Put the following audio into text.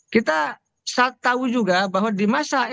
kita tahu juga bahwa di masa